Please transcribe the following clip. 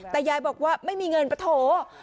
แต่ยายบอกว่าไม่มีเงินปะโถ